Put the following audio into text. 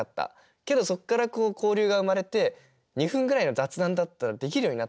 けどそこから交流が生まれて２分ぐらいの雑談だったらできるようになった。